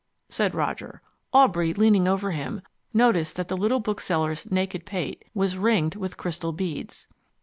said Roger. Aubrey, leaning over him, noticed that the little bookseller's naked pate was ringed with crystal beads.